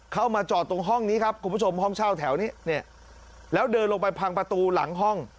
เข้ามาจอดตรงห้องนี้ครับคุณผู้ชมห้องเช่าแถวนี้เนี่ยแล้วเดินลงไปพังประตูหลังห้อง